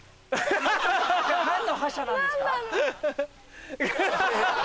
何の覇者なんですか？